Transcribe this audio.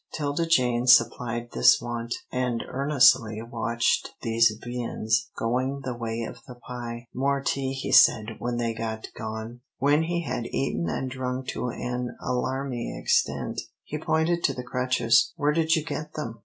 'Tilda Jane supplied this want, and earnestly watched these viands going the way of the pie. "More tea," he said, when they were gone. When he had eaten and drunk to an alarming extent, he pointed to the crutches. "Where did you get them?"